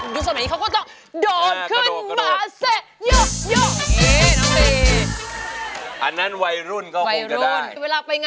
ดูสมัยนี้เขาก็ต้อง